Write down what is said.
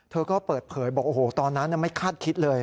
เธอก็เปิดเผยบอกโอ้โหตอนนั้นไม่คาดคิดเลย